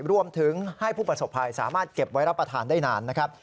รวมถึงให้ผู้ประสบภัยสามารถเก็บไว้รับประทานได้นานนะครับ